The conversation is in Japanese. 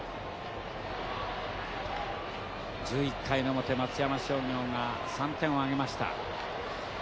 １１回の表松山商業が３点を挙げました。